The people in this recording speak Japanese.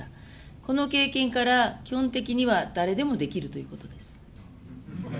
この経験から、基本的には誰でもできるということです。